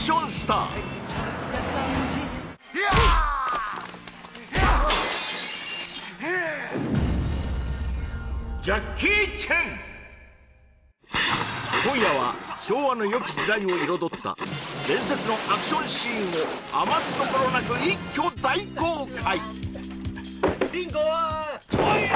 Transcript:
ヤアッ今夜は昭和のよき時代を彩った伝説のアクションシーンを余すところなく一挙大公開